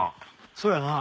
そうやな。